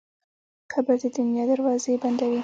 قبر د دنیا دروازې بندوي.